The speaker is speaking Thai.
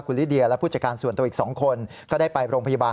คุณลิเดียและผู้จัดการส่วนตัวอีก๒คนก็ได้ไปโรงพยาบาล